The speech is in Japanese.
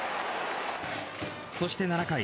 そして７回。